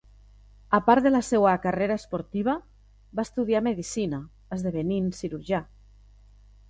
A part de la seva carrera esportiva va estudiar medicina, esdevenint cirurgià.